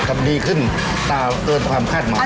จะดีขึ้นตามเอิญความคาดหมอน